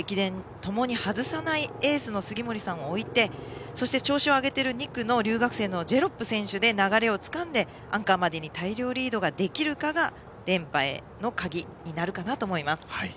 ともに外さないエースの杉森さんを置きそして、調子を上げている２区の留学生のジェロップ選手で流れをつかんでアンカーまで大量リードができるかが連覇への鍵になるかなと思います。